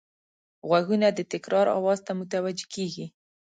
غوږونه د تکرار آواز ته متوجه کېږي